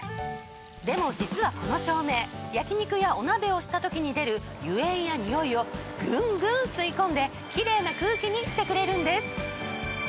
でも実はこの照明焼き肉やお鍋をした時に出る油煙やにおいをグングン吸い込んでキレイな空気にしてくれるんです。